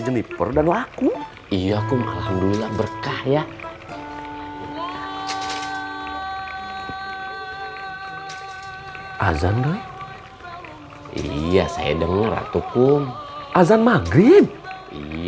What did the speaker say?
kita belum shohat asar doy